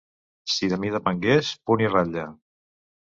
Si de mi depengués, punt i ratlla.